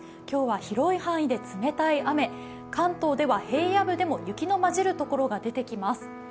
今日は広い範囲で冷たい雨、関東では平野部でも雪の交じるところが出てきます。